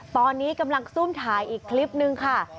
ตอนนี้กำลังซุ่มถ่ายอีกคลิปนึงค่ะ